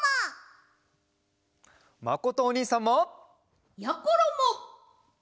まことおにいさんも！やころも！